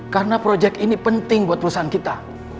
karena proyek ini penting buat perusahaan kita